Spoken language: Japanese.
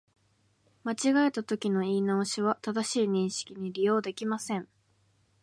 間違えたときの言い直しは、正しい認識に利用できません